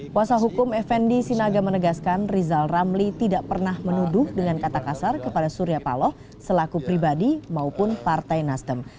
kuasa hukum fnd sinaga menegaskan rizal ramli tidak pernah menuduh dengan kata kasar kepada surya paloh selaku pribadi maupun partai nasdem